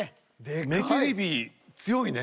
目テレビ強いね。